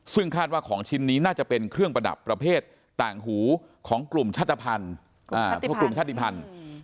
ซึ่งคาดว่าของชิ้นนี้น่าจะเป็นเครื่องประดับประเภทต่างหูของกลุ่มชาติภัณฑ์